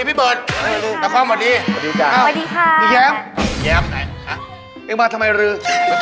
แม่งงงแนงแม่งงงแนง